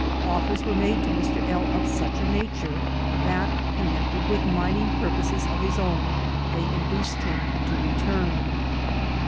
Offers were nmde to Mr. L. of such E UEture, thEt, connected with mining pur poses of his own, they induced him to return.